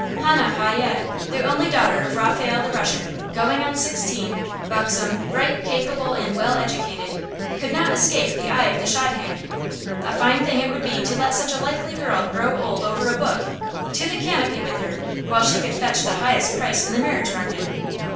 Hannah Hayye, the only daughter of Raphael the Russian, going on sixteen, buxom, bright, capable, and well educated, could not escape the eye of the shadchan. A fine thing it would be to let such a likely girl grow old over a book! To the canopy with her, while she could fetch the highest price in the marriage market!